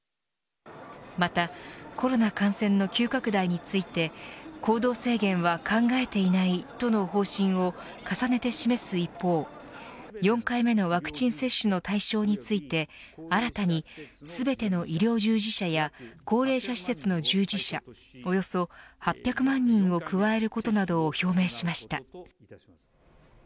また、コロナ感染の急拡大について行動制限は考えていないとの方針を重ねて示す一方４回目のワクチン接種の対象について新たに全ての医療従事者や高齢者施設の従事者およそ８００万人を加えることなどを表明しました。